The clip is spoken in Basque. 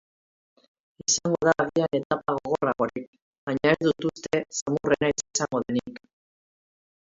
Izango da agian etapa gogorragorik, baina ez dut uste samurrena izango denik.